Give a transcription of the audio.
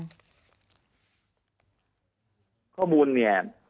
ตามแก๊งนี้มานานหรือยังคะผู้การ